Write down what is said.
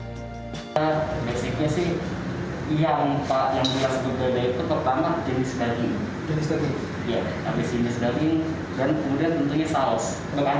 jadi ini adalah makanan yang diadaptasi dari kuliner belanda